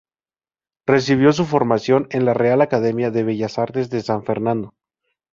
Recibió su formación en la Real Academia de Bellas Artes de San Fernando.